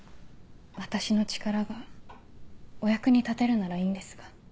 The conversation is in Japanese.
私の力がお役に立てるならいいんですが。